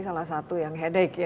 salah satu yang headache